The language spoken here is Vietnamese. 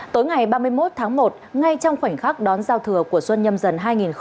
tối ngày ba mươi một tháng một ngay trong khoảnh khắc đón giao thừa của xuân nhâm dần hai nghìn hai mươi